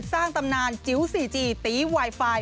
สร้างตำนานจิ๋วสี่จี่ตีไวไฟ